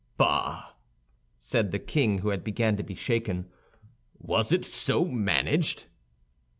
"Bah!" said the king, who began to be shaken, "was it so managed?"